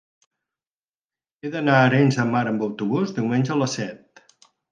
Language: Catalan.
He d'anar a Arenys de Mar amb autobús diumenge a les set.